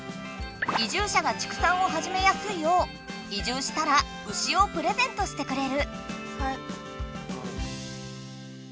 移住者が畜産をはじめやすいよう移住したら牛をプレゼントしてくれる。